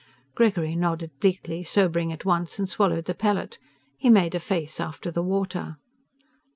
Gregory nodded bleakly, sobering at once, and swallowed the pellet. He made a face after the water.